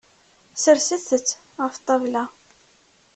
Serset-t ɣef ṭṭabla.